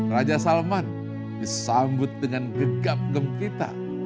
raja salman disambut dengan gegap gempita